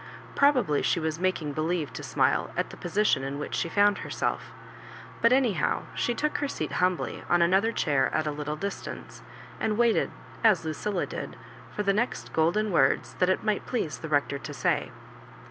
Probably she was mak ing believe to smile at the position In which she found herself; but anyhow she took her seat humbly on another chair at a little distance, and waited, as Lucilla did, for the next golden words that it might please the Rector to say.